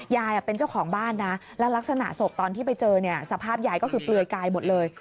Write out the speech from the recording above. ยายเป็นเจ้าของบ้านนะแล้วลักษณะศพตอนที่ไปเจอเนี่ยสภาพยายก็คือเปลือยกายหมดเลย